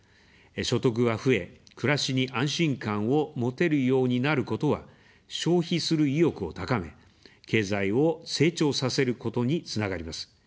所得が増え、暮らしに安心感を持てるようになることは、消費する意欲を高め、経済を成長させることにつながります。